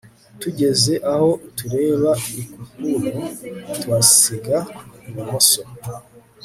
tugeze aho tureba i kupuro tuhasiga ibumoso